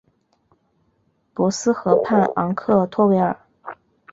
博斯河畔昂克托维尔。